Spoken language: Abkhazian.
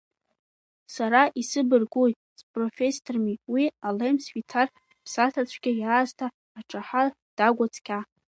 Сара исыбыргуи, спрофесҭарми, уи алемс фицар ԥсаҭацәгьа иаасҭа аҿаҳа-дагәа цқьа.